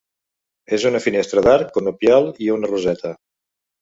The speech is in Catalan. És una finestra d'arc conopial i una roseta.